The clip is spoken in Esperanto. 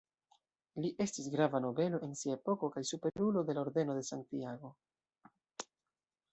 Li estis grava nobelo en sia epoko kaj Superulo de la Ordeno de Santiago.